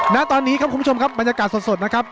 ณตอนนี้ครับคุณผู้ชมครับบรรยากาศสดนะครับ